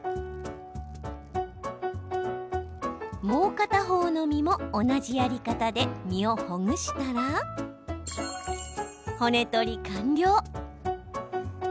もう片方の身も同じやり方で身をほぐしたら骨取り完了。